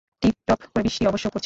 Tiptop করে বৃষ্টি অবশ্য পড়ছে।